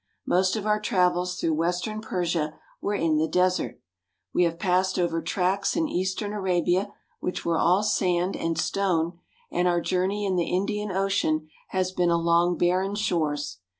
Most of our travels through western Persia were in the desert. We have passed over tracts in eastern Arabia which were all sand and stone, and our journey in the Indian Ocean has been along barren shores.